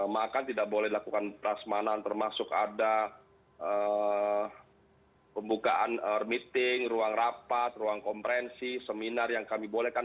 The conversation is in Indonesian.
maka tidak boleh dilakukan perasmanan termasuk ada pembukaan meeting ruang rapat ruang komprensi seminar yang kami bolehkan